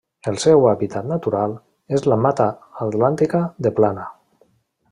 El seu hàbitat natural és la Mata Atlàntica de plana.